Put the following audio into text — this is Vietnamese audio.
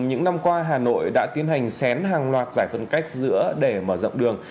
những năm qua hà nội đã tiến hành xén hàng loạt giải phân cách giữa để mở rộng đường